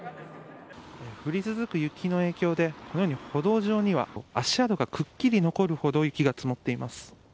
降り続く雪の影響でこのように歩道上には足跡がくっきり残るほど雪が積もっています。